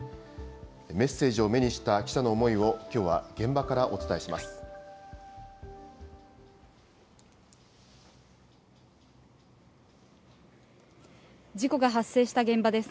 メッセージを目にした記者の思いをきょうは現場からお伝えします。